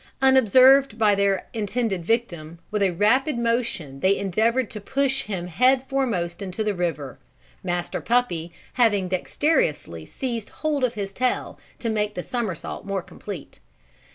Unobserved by their intended victim, with a rapid motion they endeavoured to push him head foremost into the river, Master Puppy having dexterously seized hold of his tail to make the somersault more complete.